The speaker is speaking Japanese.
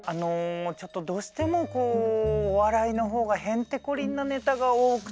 ちょっとどうしてもお笑いの方がへんてこりんなネタが多くて。